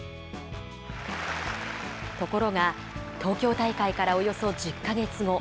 ところが、東京大会からおよそ１０か月後。